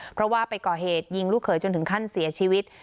เพราะว่าไปก่อเหตุยิงลูกเขยจนถึงขั้นเสียชีวิต